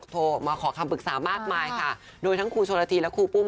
โทรมาขอคำปรึกษามากมายค่ะโดยทั้งครูชนละทีและครูปุ้